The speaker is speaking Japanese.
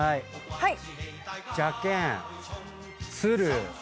はい。